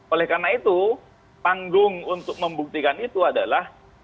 oleh karena itu panggung untuk membuktikan itu adalah